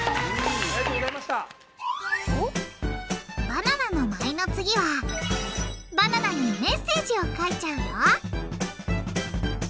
「バナナの舞」の次はバナナにメッセージを書いちゃうよ！